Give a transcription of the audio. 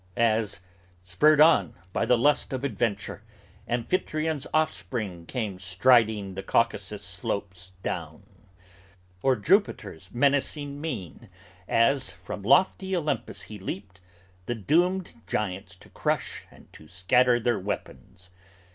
As, spurred on by the lust, of adventure Amphitryon's offspring came striding the Caucasus slopes down; Or Jupiter's menacing mien as, from lofty Olympus He leaped, the doomed giants to crush and to scatter their weapons.